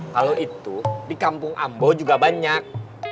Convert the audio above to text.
kalau itu di kampung ambo juga banyak